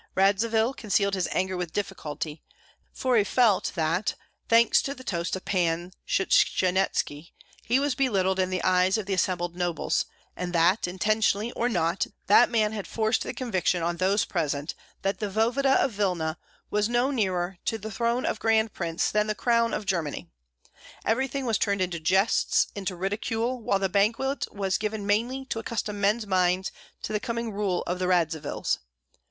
Radzivill concealed his anger with difficulty, for he felt that, thanks to the toasts of Pan Shchanyetski, he was belittled in the eyes of the assembled nobles, and that, intentionally or not, that man had forced the conviction on those present that the voevoda of Vilna was no nearer the throne of grand prince than the crown of Germany. Everything was turned into jests, into ridicule, while the banquet was given mainly to accustom men's minds to the coming rule of the Radzivills.